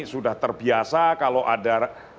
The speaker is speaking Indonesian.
sudah terbiasa kalau ada